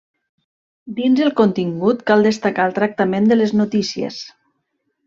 Dins el contingut, cal destacar el tractament de les notícies.